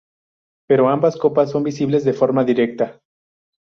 Pero ambas capas son invisibles de forma directa.